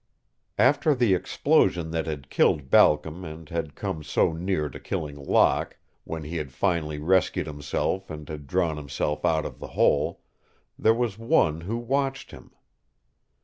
After the explosion that had killed Balcom and had come so near to killing Locke, when he had finally rescued himself and had drawn himself out of the hole, there was one who watched him.